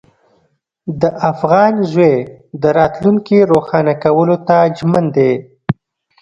د افغان زوی د راتلونکي روښانه کولو ته ژمن دی.